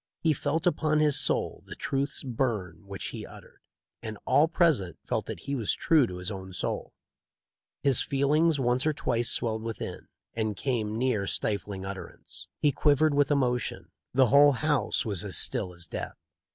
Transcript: He felt upon his soul the truths burn which' he uttered, and all present felt that he was true to his own soul. His feelings once or twice swelled within, and came near stifling utterance. He quivered with emotion. The whole house was as still as death.